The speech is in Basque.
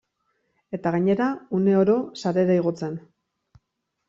Eta gainera, uneoro sarera igotzen.